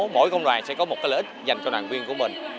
mỗi công đoàn sẽ có một lợi ích dành cho đoàn viên của mình